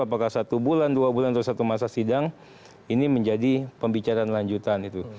apakah satu bulan dua bulan atau satu masa sidang ini menjadi pembicaraan lanjutan itu